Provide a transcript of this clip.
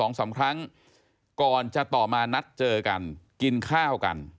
เหลือประมาณ๒๓ครั้งก่อนจะต่อมานัดเจอกันกินข้าวกัน